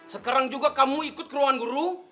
sekarang juga kamu ikut kerohan guru